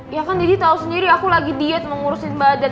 ya kan jadi tahu sendiri aku lagi diet mengurusin badan